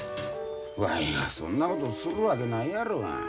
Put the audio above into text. わいがそんなことするわけないやろが。